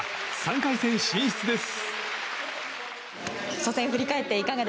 ３回戦進出です。